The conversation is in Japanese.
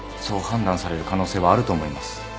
そう判断される可能性はあると思います。